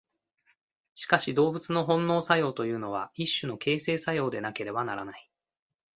しかし動物の本能作用というのは一種の形成作用でなければならない。